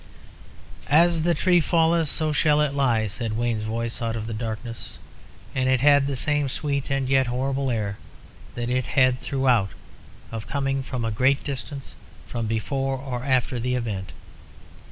"As the tree falleth, so shall it lie," said Wayne's voice out of the darkness, and it had the same sweet and yet horrible air that it had had throughout, of coming from a great distance, from before or after the event.